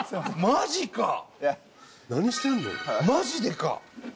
マジでか！